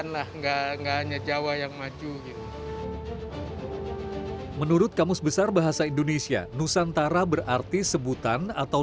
nggak hanya jawa yang maju menurut kamus besar bahasa indonesia nusantara berarti sebutan atau